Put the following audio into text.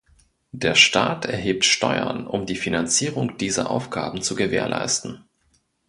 Der Staat erhebt Steuern, um die Finanzierung dieser Aufgaben zu gewährleisten.